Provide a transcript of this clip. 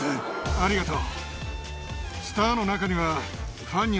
ありがとう。